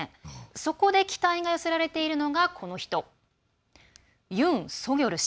そこで期待が寄せられているのがユン・ソギョル氏。